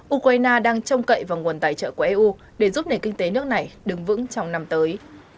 ukraine đang trông cậy vào nguồn tài trợ của eu để giúp nền kinh tế nước này đứng vững trong năm tới